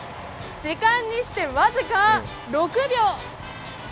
時間にして僅か６秒。